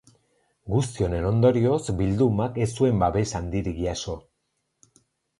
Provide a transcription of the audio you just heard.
Guzti honen ondorioz bildumak ez zuen babes handirik jaso.